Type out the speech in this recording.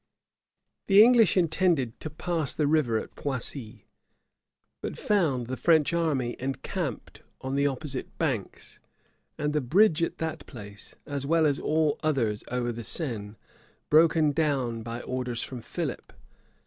The English intended to pass the river at Poissy, but found the French army encamped on the opposite banks, and the bridge at that place, as well as all others over the Seine, broken down by orders from Philip.